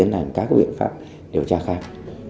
và sau đó tính tiến hành các biện pháp điều tra khác